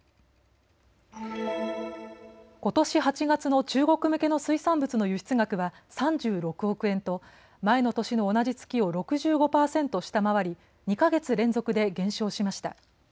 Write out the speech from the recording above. ことし８月の中国向けの水産物の輸出額は３６億円と前の年の同じ月を６５％下回り２か月連続で減少しました。